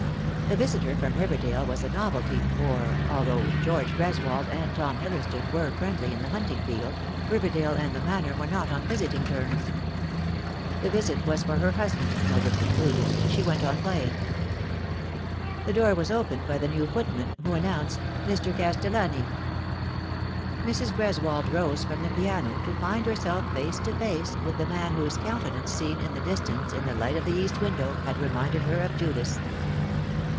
A visitor from Riverdale was a novelty, for, although George Greswold and Tom Hillersdon were friendly in the hunting field, Riverdale and the Manor were not on visiting terms. The visit was for her husband, Mildred concluded, and she went on playing. The door was opened by the new footman, who announced "Mr. Castellani." Mrs. Greswold rose from the piano to find herself face to face with the man whose countenance, seen in the distance, in the light of the east window, had reminded her of Judas.